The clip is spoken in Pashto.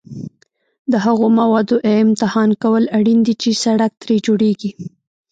د هغو موادو امتحان کول اړین دي چې سړک ترې جوړیږي